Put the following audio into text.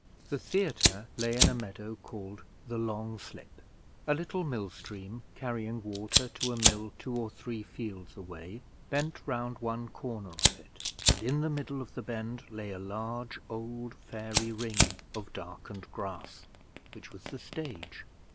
The Theatre lay in a meadow called the Long Slip. A little mill stream, carrying water to a mill two or three fields away, bent round one corner of it, and in the middle of the bend lay a large old Fairy Ring of darkened grass, which was the stage.